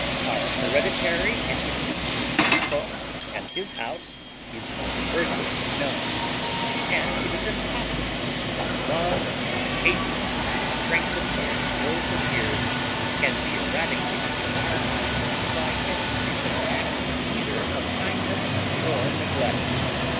Our hereditary enmity to Filippo and his house is universally known, and it is impossible that love or hatred, strengthened by the growth of years, can be eradicated from our minds by any recent act either of kindness or neglect.